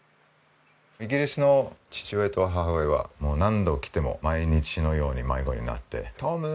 イギリスの父親と母親は何度来ても毎日のように迷子になって「トム！